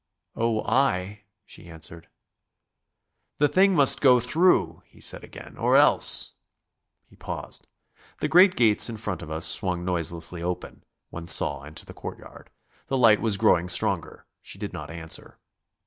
"Oh, I ..." she answered. "The thing must go through," he said again, "or else ..." He paused. The great gates in front of us swung noiselessly open, one saw into the court yard. The light was growing stronger. She did not answer.